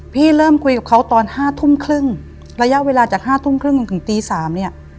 พี่เริ่มคุยกับเขาตอน๕ทุ่มครึ่งระยะเวลาจาก๕ทุ่มครึ่งจนถึงตี๓เนี่ย